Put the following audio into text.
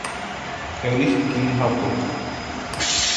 Erich Kühnhackl.